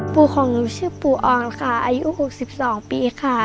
ปู่ของหนูชื่อปู่อ่อนค่ะอายุ๖๒ปีค่ะ